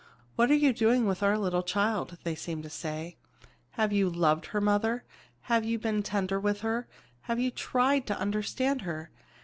"What are you doing with our little child?" they seemed to say. "Have you loved her, mother? Have you been tender with her? Have you tried to understand her?